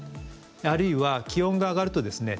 あるいは気温が上がるとですね